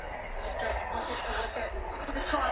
ناوړه رواجونه د ټولنې لخوا غندل کيږي.